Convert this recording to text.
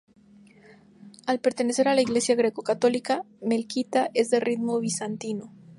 Al pertenecer a la iglesia greco-católica melquita es de rito bizantino.